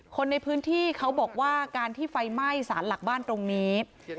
คนในพื้นที่เขาบอกว่าการที่ไฟไหม้สารหลักบ้านตรงนี้